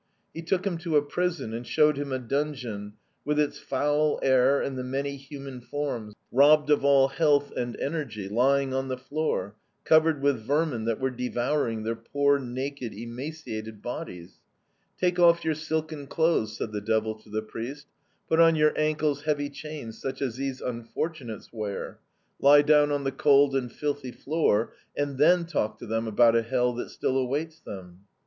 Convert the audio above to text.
"He took him to a prison and showed him a dungeon, with its foul air and the many human forms, robbed of all health and energy, lying on the floor, covered with vermin that were devouring their poor, naked, emaciated bodies. "'Take off your silken clothes,' said the devil to the priest, 'put on your ankles heavy chains such as these unfortunates wear; lie down on the cold and filthy floor and then talk to them about a hell that still awaits them!'